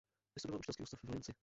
Vystudoval učitelský ústav v Linci.